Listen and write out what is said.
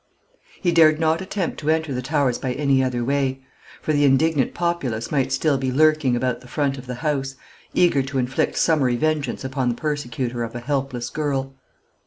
He dared not attempt to enter the Towers by any other way; for the indignant populace might still be lurking about the front of the house, eager to inflict summary vengeance upon the persecutor of a helpless girl.